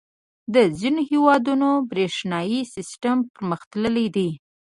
• د ځینو هېوادونو برېښنايي سیسټم پرمختللی دی.